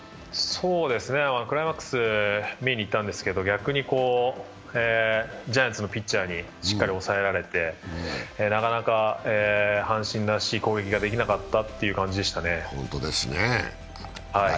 クライマックス、見に行ったんですけど、逆にジャイアンツのピッチャーにしっかり抑えられて、なかなか阪神らしい攻撃ができなかったという感じでしたね。